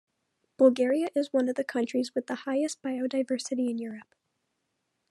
Bulgaria is one of the countries with highest biodiversity in Europe.